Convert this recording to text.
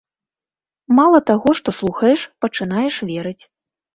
Мала таго, што слухаеш, пачынаеш верыць.